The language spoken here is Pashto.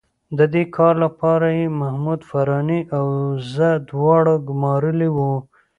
د دې کار لپاره یې محمود فاراني او زه دواړه ګومارلي وو.